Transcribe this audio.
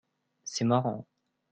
C'est marrant.